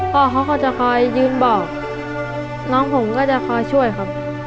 พ่อเขาก็จะคอยยืนบอกน้องผมก็จะคอยช่วยครับ